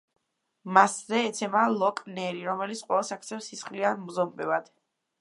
მასზე ეცემა ლოკ-ნერი, რომელიც ყველას აქცევს სისხლიან ზომბებად.